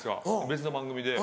別の番組で。